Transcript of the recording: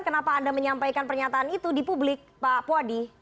kenapa anda menyampaikan pernyataan itu di publik pak puadi